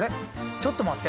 ちょっと待って！